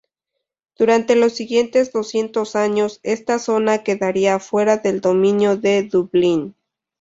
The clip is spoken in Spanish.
Durante los siguientes doscientos años, esta zona quedaría fuera del dominio de Dublín.